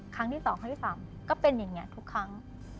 ครั้งที่๒ครั้งที่๓ก็เป็นอย่างนี้ทุกครั้ง